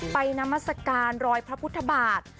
นามัศกาลรอยพระพุทธบาท